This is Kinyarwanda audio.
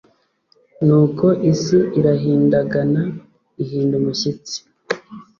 Nuko isi irahindagana ihinda umushyitsi